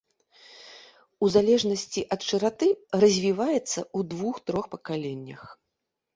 У залежнасці ад шыраты, развіваецца ў двух-трох пакаленнях.